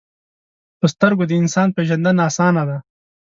په سترګو د انسان پیژندنه آسانه ده